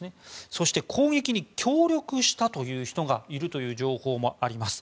そして、攻撃に協力したという人がいるという情報もあります。